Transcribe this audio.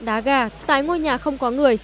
đá gà tại ngôi nhà không có người